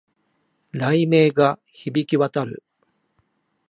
雷鳴が響き渡る